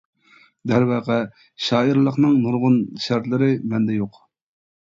دەرۋەقە، شائىرلىقنىڭ نۇرغۇن شەرتلىرى مەندە يوق.